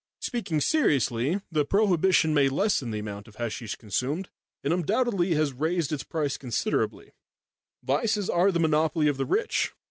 Speaking seriously, the prohibition may lessen the amount of hasheesh consumed, and undoubtedly has raised its price considerably vices are the monopoly of the rich.